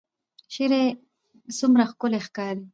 شرۍ څومره ښکلې ښکاري